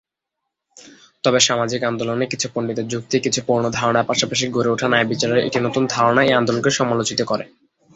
তবে সামাজিক আন্দোলনের কিছু পণ্ডিতের যুক্তি, কিছু পুরানো ধারণার পাশাপাশি গড়ে ওঠা ন্যায়বিচারের একটি নতুন ধারণা এই আন্দোলনকে সমালোচিত করে।